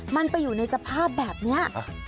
มันไปอยู่ในสภาพแบบนี้